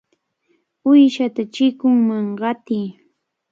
¡Uyshata chikunman qatiy!